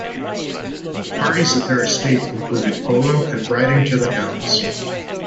Parties at their estate included polo and riding-to-the-hounds.